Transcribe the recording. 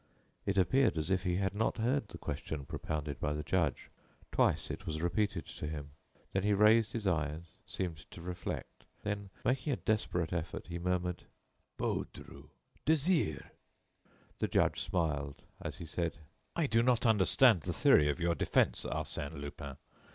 It appeared as if he had not heard the question propounded by the judge. Twice it was repeated to him. Then he raised his eyes, seemed to reflect, then, making a desperate effort, he murmured: "Baudru, Désiré." The judge smiled, as he said: "I do not understand the theory of your defense, Arsène Lupin.